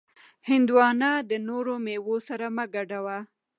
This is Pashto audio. هندوانه د نورو میوو سره مه ګډوه.